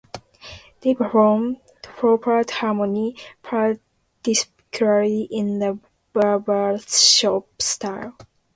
They perform four-part harmony, particularly in the barbershop style.